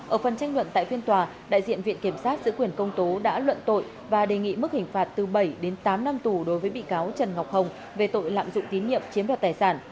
ở phần tranh luận tại phiên tòa đại diện viện kiểm sát giữ quyền công tố đã luận tội và đề nghị mức hình phạt từ bảy đến tám năm tù đối với bị cáo trần ngọc hồng về tội lạm dụng tín nhiệm chiếm đoạt tài sản